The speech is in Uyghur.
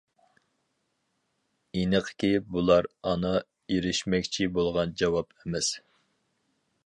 ئېنىقكى، بۇلار ئانا ئېرىشمەكچى بولغان جاۋاب ئەمەس.